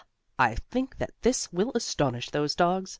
I think this will astonish those dogs!"